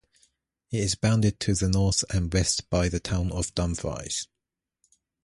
It is bounded to the north and west by the town of Dumfries.